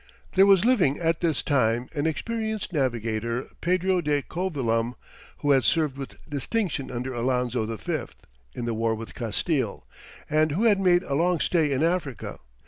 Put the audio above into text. There was living at this time an experienced navigator, Pedro de Covilham, who had served with distinction under Alonzo V. in the war with Castille, and who had made a long stay in Africa.